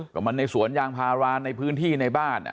ก็มันในสวนยางพาราในพื้นที่ในบ้าน